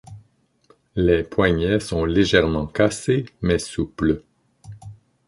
Les poignets sont légèrement cassés mais souples.